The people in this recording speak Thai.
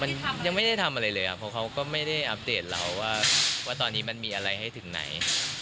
มันยังไม่ได้ทำอะไรเลยครับเพราะเขาก็ไม่ได้อัปเดตเราว่าตอนนี้มันมีอะไรให้ถึงไหน